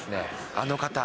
あの方。